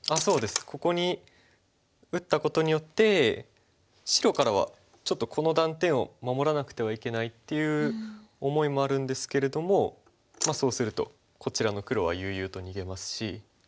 ここに打ったことによって白からはちょっとこの断点を守らなくてはいけないっていう思いもあるんですけれどもそうするとこちらの黒は悠々と逃げますし。